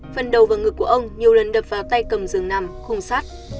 phần đầu và ngực của ông nhiều lần đập vào tay cầm giường nằm khung sát